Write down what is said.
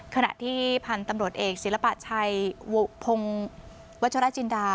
ขณะที่พันธุ์ตำรวจเอกศิลปะชัยพงศ์วัชรจินดา